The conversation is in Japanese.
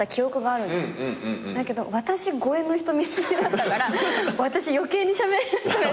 だけど私超えの人見知りだったから私余計にしゃべれなくなっちゃって。